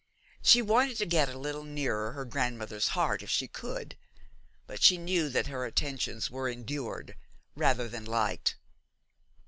She wanted to get a little nearer her grandmother's heart if she could; but she knew that her attentions were endured rather than liked.